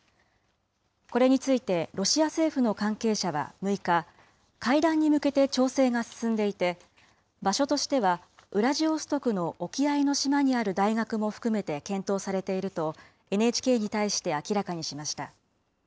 これについて、ロシア政府の関係者は６日、会談に向けて調整が進んでいて、場所としてはウラジオストクの沖合の島にある大学も含めて検討されていると、ＮＨＫに対して明らかにしました。